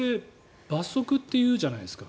罰則っていうじゃないですか。